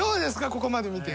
ここまで見て。